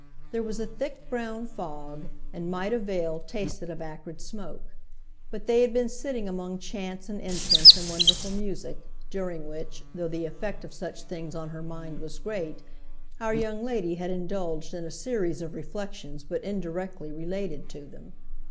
There was a thick brown fog and Maida Vale tasted of acrid smoke; but they had been sitting among chants and incense and wonderful music, during which, though the effect of such things on her mind was great, our young lady had indulged in a series of reflexions but indirectly related to them.